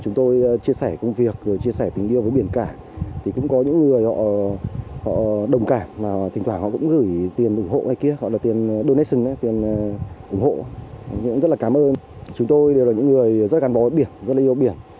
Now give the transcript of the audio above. chúng tôi đều là những người rất là gắn bó với biển rất là yêu biển